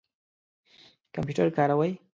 کمپیوټر کاروئ؟